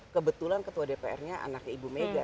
kebetulan ketua dprnya anaknya ibu mega